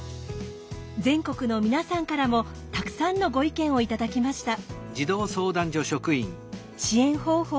全国の皆さんからもたくさんのご意見を頂きました。